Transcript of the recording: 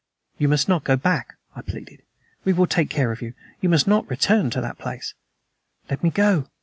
"You must not go back," I whispered. "We will take care of you. You must not return to that place." "Let me go!"